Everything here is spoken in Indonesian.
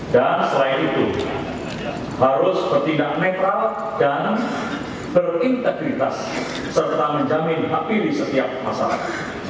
dan selain itu harus bertindak netral dan berintegritas serta menjamin hapi di setiap masyarakat